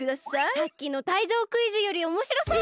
さっきのタイゾウクイズよりおもしろそう！